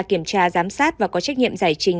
kiểm tra giám sát và có trách nhiệm giải trình